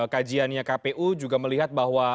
kajiannya kpu juga melihat bahwa